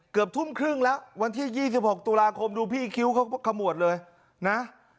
เกือบทุ่มครึ่งแล้ววันที่๒๖ตุลาคมดูพี่คิ้วเขาขมวดเลยนะ